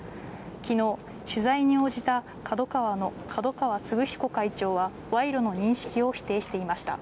きのう、取材に応じたＫＡＤＯＫＡＷＡの角川歴彦会長は賄賂の認識を否定していました。